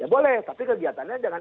boleh tapi kegiatannya jangan